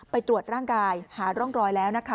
ตรวจร่างกายหาร่องรอยแล้วนะคะ